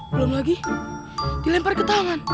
belum lagi dilempar ke tangan